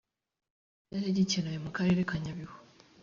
Iki gikorwa cyaje gikenewe mu karere ka Nyabihu